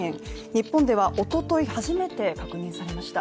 日本ではおととい、初めて確認されました。